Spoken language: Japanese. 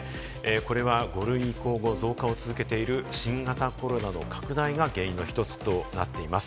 これは５類移行後、増加を続けている新型コロナの拡大が原因の１つとなっています。